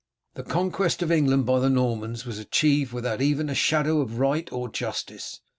The Conquest of England by the Normans was achieved without even a shadow of right or justice.